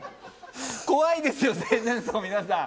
怖いですよ、生前葬の皆さん。